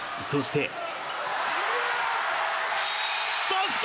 そして。